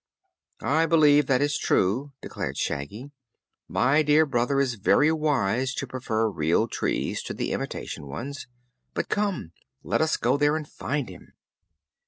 "I believe that is true," declared Shaggy. "My dear brother is very wise to prefer real trees to the imitation ones. But come; let us go there and find him."